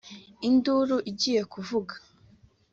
induru igiye kuvuga